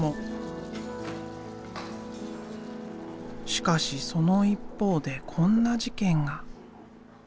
しかしその一方でこんな事件が。